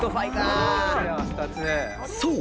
［そう！